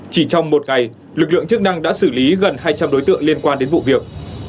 chỉ trong một ngày lực lượng chức năng đã xử lý gần hai trăm linh đối tượng liên quan đến vụ việc